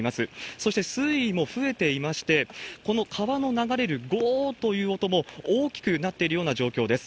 そして水位も増えていまして、この川の流れるごーっという音も大きくなっているような状況です。